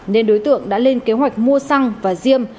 nên đối tượng đã lên kế hoạch mua xăng và diêm